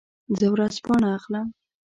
زه ورځپاڼه اخلم.